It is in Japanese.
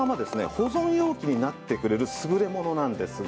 保存容器になってくれる優れものなんですが。